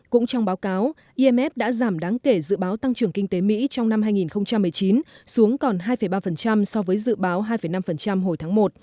cũng trong báo cáo imf đã giảm đáng kể dự báo tăng trưởng kinh tế mỹ trong năm hai nghìn một mươi chín xuống còn hai ba so với dự báo hai năm hồi tháng một